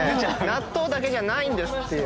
納豆だけじゃないんですっていう。